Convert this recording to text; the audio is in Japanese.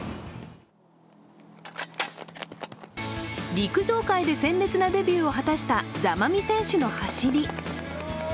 陸上界で鮮烈なデビューを果たした座間味選手の走り。